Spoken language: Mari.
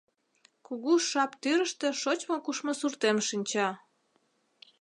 Кугу Шап тӱрыштӧ шочмо-кушмо суртем шинча.